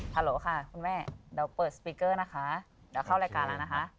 โหลค่ะคุณแม่เดี๋ยวเปิดสปีกเกอร์นะคะเดี๋ยวเข้ารายการแล้วนะคะ